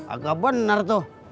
agak bener tuh